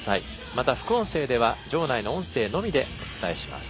また副音声では場内の音声だけでお伝えします。